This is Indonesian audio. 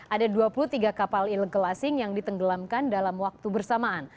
ada dua puluh tiga kapal ilegal asing yang ditenggelamkan dalam waktu bersamaan